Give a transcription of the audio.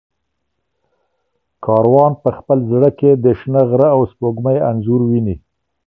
کاروان په خپل زړه کې د شنه غره او سپوږمۍ انځور ویني.